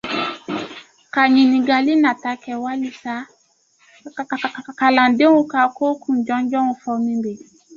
- Ka ɲiningali nata kɛ walisa kalandenw ka koo kunjɔnjɔnw fɔ minw bi